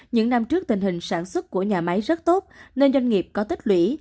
những năm trước tình hình sản xuất của nhà máy rất tốt nên doanh nghiệp có tích lũy